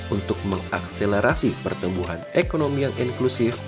untuk mengakselerasi pertumbuhan ekonomi yang inklusif